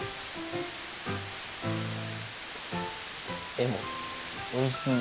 でもおいしい。